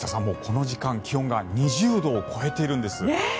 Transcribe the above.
もうこの時間で気温が２０度を超えているんです。